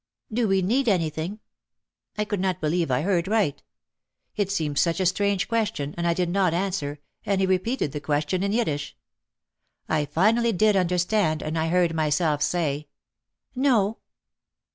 "Do we need anything!" I could not believe I heard right. It seemed such a strange question and I did not answer and he repeated the question in Yiddish. I finally did understand and I heard myself say, "No."